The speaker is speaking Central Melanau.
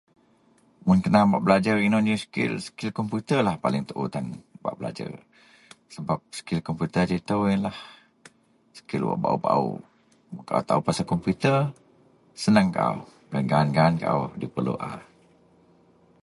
Mun kena bak belajar ino ji skil, skil komputer lah paling too tan bak belajar sebab skil komputer ajau ito iyenlah skil wak baao-baao kaau taao gak komputer senang kaau gak gaan-gaan kaau diperlu a.